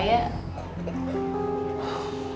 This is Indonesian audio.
ya udah gini aja boy